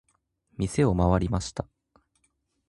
店を回りました。